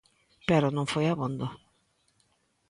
Pero non foi abondo.